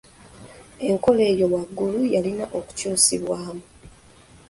Enkola eyo waggulu yalina okukyusibwamu.